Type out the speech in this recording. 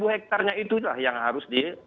satu hektare itu yang harus